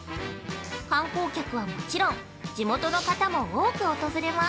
観光客はもちろん地元の方も多く訪れます。